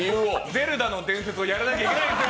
「ゼルダの伝説」をやらなきゃいけないんですよ